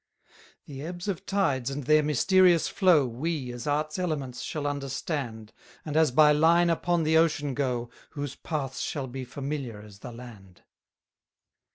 162 The ebbs of tides and their mysterious flow, We, as art's elements, shall understand, And as by line upon the ocean go, Whose paths shall be familiar as the land.